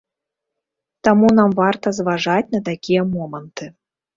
Таму нам варта зважаць на такія моманты.